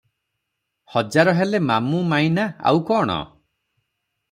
ହଜାର ହେଲେ ମାମୁ ମାଈଁ ନା, ଆଉ କ’ଣ?